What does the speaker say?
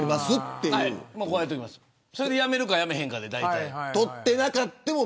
それで、やめるかやめへんかで、だいたい。